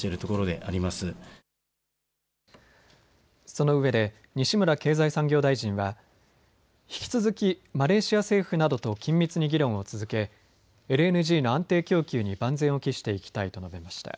そのうえで西村経済産業大臣は引き続きマレーシア政府などと緊密に議論を続け、ＬＮＧの安定供給に万全を期していきたいと述べました。